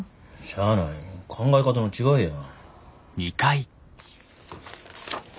しゃあない考え方の違いや。